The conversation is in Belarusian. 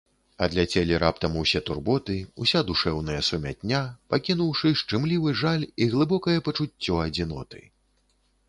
Адляцелі раптам усе турботы, уся душэўная сумятня, пакінуўшы шчымлівы жаль і глыбокае пачуццё адзіноты.